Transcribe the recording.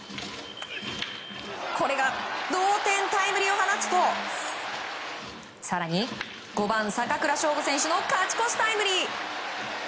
これが同点タイムリーを放つと更に５番、坂倉将吾選手の勝ち越しタイムリー。